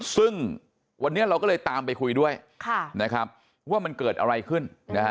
ซึ่งวันนี้เราก็เลยตามไปคุยด้วยนะครับว่ามันเกิดอะไรขึ้น